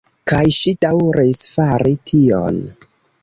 Kaj ŝi daŭris fari tion.